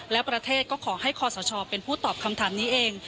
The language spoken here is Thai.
และประเทศก็ขอให้คอสชเป็นผู้ตอบคำถามนี้เอง